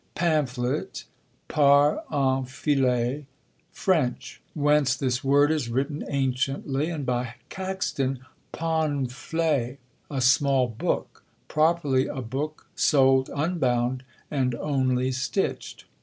PAMPHLET [par un filet, Fr. Whence this word is written anciently, and by Caxton, paunflet] a small book; properly a book sold unbound, and only stitched.